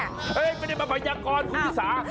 เฮ้ยเค้าไม่ได้มาประยักษ์กรภูมิศา